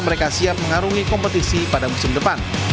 mereka siap mengarungi kompetisi pada musim depan